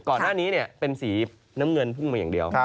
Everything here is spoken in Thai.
ก่อนหน้านี้เป็นสีน้ำเงินพุ่งมาอย่างเดียว